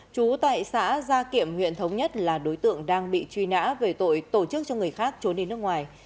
trú tại xã gia kiểm huyện thống nhất là đối tượng đang bị truy nã về tội tổ chức cho người khác trốn đến nước ngoài